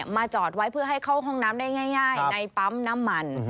จอดไว้เพื่อให้เข้าห้องน้ำได้ง่ายในปั๊มน้ำมัน